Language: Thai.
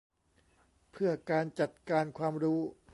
เพื่อการจัดการความรู้